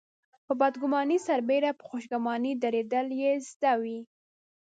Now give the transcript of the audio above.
په بدګماني سربېره په خوشګماني درېدل يې زده وي.